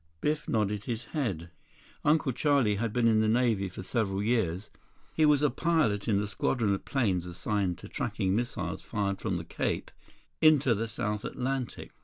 11 Biff nodded his head. Uncle Charlie had been in the Navy for several years. He was a pilot in the squadron of planes assigned to tracking missiles fired from the Cape into the South Atlantic.